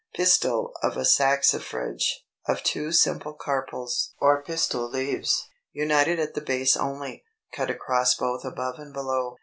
Pistil of a Saxifrage, of two simple carpels or pistil leaves, united at the base only, cut across both above and below.